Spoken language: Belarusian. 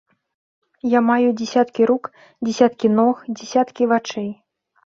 Я маю дзесяткі рук, дзесяткі ног, дзесяткі вачэй.